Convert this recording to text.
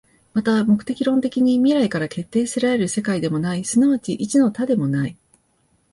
また目的論的に未来から決定せられる世界でもない、即ち一の多でもない。